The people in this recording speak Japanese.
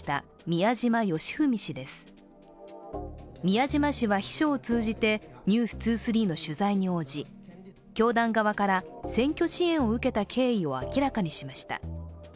宮島氏は秘書を通じて「ｎｅｗｓ２３」の取材に応じ教団側から選挙支援を受けた経緯を明らかにしました。